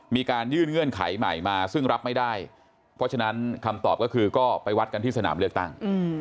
มีการยื่นเงื่อนไขใหม่มาซึ่งรับไม่ได้เพราะฉะนั้นคำตอบก็คือก็ไปวัดกันที่สนามเลือกตั้ง